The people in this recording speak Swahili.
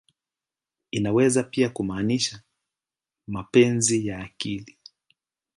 Inaweza pia kumaanisha "mapenzi ya akili.